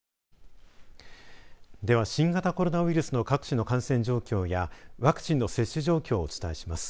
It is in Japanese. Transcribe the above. では新型コロナウイルスの各地の感染状況やワクチンの接種状況をお伝えします。